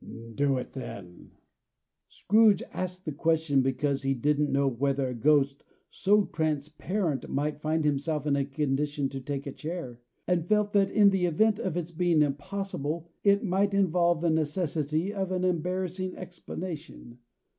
"Do it, then." Scrooge asked the question, because he didn't know whether a ghost so transparent might find himself in a condition to take a chair; and felt that in the event of its being impossible, it might involve the necessity of an embarrassing explanation.